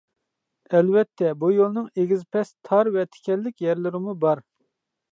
ئەلۋەتتە، بۇ يولنىڭ ئېگىز-پەس، تار ۋە تىكەنلىك يەرلىرىمۇ بار.